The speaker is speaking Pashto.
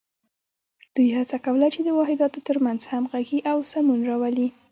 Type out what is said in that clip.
دوی هڅه کوله چې د واحداتو تر منځ همغږي او سمون راولي.